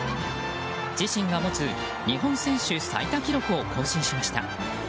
自身が持つ日本選手最多記録を更新しました。